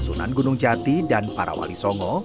sunan gunung jati dan para wali songo